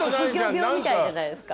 職業病みたいじゃないですか。